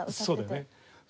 そうだよね。